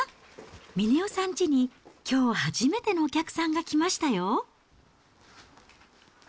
峰代さんちにきょう初めてのお客さんが来ましたよ。